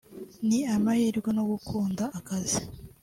ni amahirwe no gukunda akazi…”